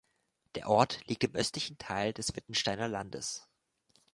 Der Ort liegt im östlichen Teil des Wittgensteiner Landes.